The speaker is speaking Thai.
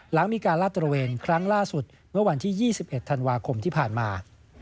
หลังมีการลาดตระเวนครั้งล่าสุดเมื่อวันที่๒๑ธันวาคมที่ผ่านมา